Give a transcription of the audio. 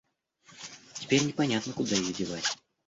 Теперь непонятно, куда её девать.